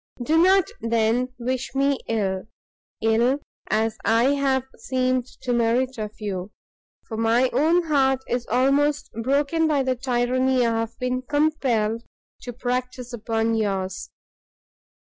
Do not, then, wish me ill, ill as I have seemed to merit of you, for my own heart is almost broken by the tyranny I have been compelled to practise upon yours.